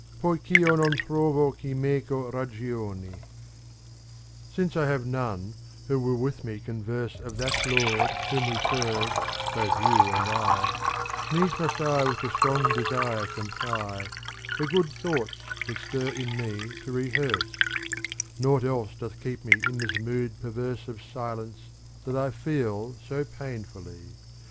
Poich' to non trovo chi meco ragioni Since I have none who will with me converse Of that Lord whom we serve, both you and I, Needs must I with the strong desire comply, The good thoughts that stir in me to rehearse: Naught else doth keep me in this mood per verse * Of silence that I feel so painfully.